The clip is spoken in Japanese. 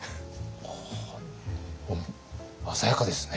ほう鮮やかですね。